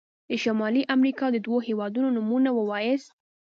د شمالي امريکا د دوه هيوادونو نومونه ووایاست.